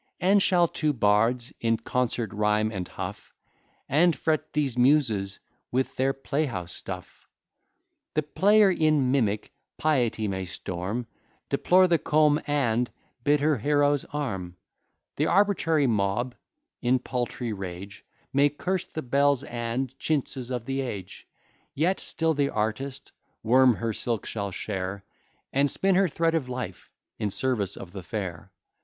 And shall two bards in concert rhyme, and huff And fret these Muses with their playhouse stuff? The player in mimic piety may storm, Deplore the Comb, and bid her heroes arm: The arbitrary mob, in paltry rage, May curse the belles and chintzes of the age: Yet still the artist worm her silk shall share, And spin her thread of life in service of the fair.